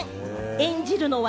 演じるのは